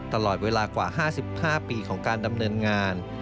ตลอดเวลากว่า๕๕ปีของการดำเนินงาน